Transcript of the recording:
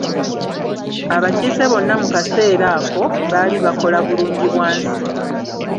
Abakiise bonna mu kaseera ako baali bakola bulungi bwa nsi.